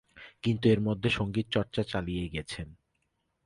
কিন্তু এর মধ্যে সংগীত চর্চা চালিয়ে গেছেন।